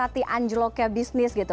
di anjloknya bisnis gitu